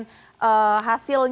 hasilnya akan diumumkan